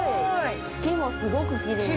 ◆月もすごくきれいね。